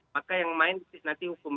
maka yang main nanti hukum